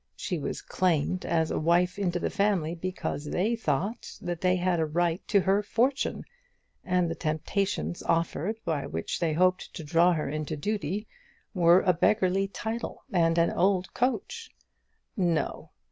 She was claimed as a wife into the family because they thought that they had a right to her fortune; and the temptations offered, by which they hoped to draw her into her duty, were a beggarly title and an old coach! No!